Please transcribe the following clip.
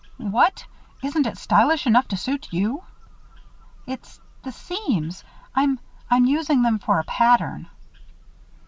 "What! Isn't it stylish enough to suit you?" "It's the seams. I'm I'm using them for a pattern."